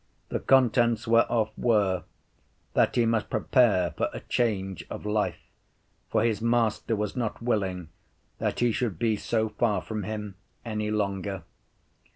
The contents whereof were, that he must prepare for a change of life, for his Master was not willing that he should be so far from him any longer.